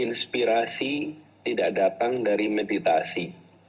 inspirasi tidak datang dari meditasi